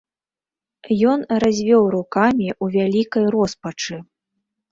Ён развёў рукамі ў вялікай роспачы.